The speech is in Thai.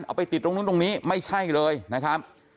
เอาไปติดตรงนู้นตรงนี้ไม่ใช่เลยนะครับ